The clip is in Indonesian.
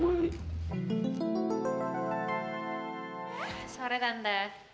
selamat sore tante